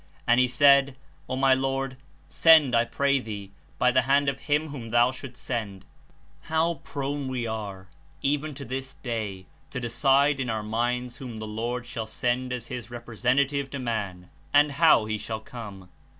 "And he said, O my Lord, send, I pray thee, by the hand of him zvhom thou shouldest send" How prone we are, even to this day, to decide in our minds w^hom the Lord shall send as his Representative to man, and how he shall come.)